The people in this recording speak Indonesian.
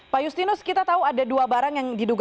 pak justinus kita tahu ada dua barang yang diduga